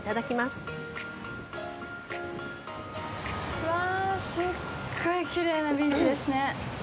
すっごいきれいなビーチですね。